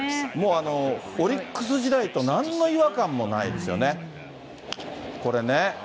オリックス時代となんの違和感もないですよね、これね。